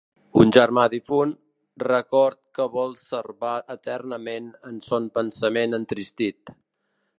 Un germà difunt, record que vol servar eternament en son pensament entristit.